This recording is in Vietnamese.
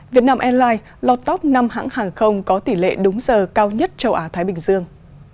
việt nam airlines lọt top năm hãng hàng không có tỷ lệ đúng giờ cao nhất châu á thái bình dương